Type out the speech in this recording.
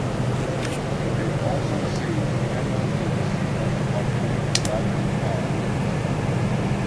It also sees general use as a popular Latin tag.